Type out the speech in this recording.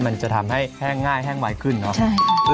มันจะทำให้แห้งง่ายแห้งไวขึ้นเนาะ